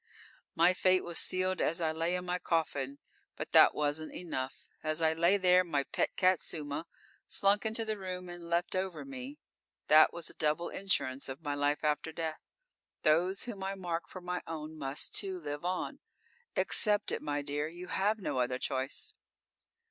My fate was sealed as I lay in my coffin. But that wasn't enough. As I lay there, my pet cat, Suma, slunk into the room and leapt over me. That was a double insurance of my life after death. Those whom I mark for my own must, too, live on. Accept it, my dear. You have no other choice."